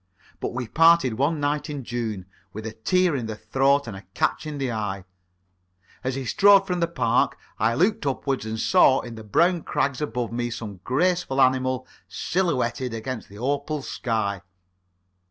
But we parted one night in June, with a tear in the throat and a catch in the eye. As he strode from the park, I looked upward and saw in the brown crags above me some graceful animal silhouetted against an opal sky.